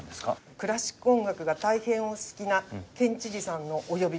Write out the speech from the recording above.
クラシック音楽が大変お好きな県知事さんのお呼びかけで。